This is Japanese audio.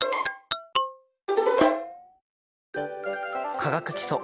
「化学基礎」。